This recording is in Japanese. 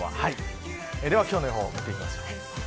では今日の予報見ていきましょう。